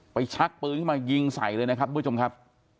ชักปืนขึ้นมายิงใส่เลยนะครับทุกผู้ชมครับ